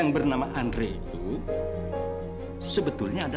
bahan si sita